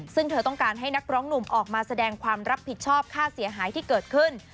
ซึ่งเธอต้องการให้นักร้องหนุ่มออกมาแสดงความรับผิดชอบค่าเสียหายที่เกิดขึ้น